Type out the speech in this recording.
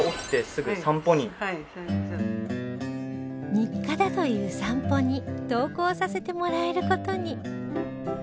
日課だという散歩に同行させてもらえる事に